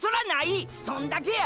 そんだけや！！